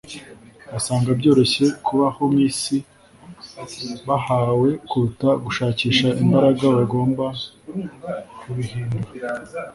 basanga byoroshye kubaho mwisi bahawe kuruta gushakisha imbaraga bagomba kubihindura.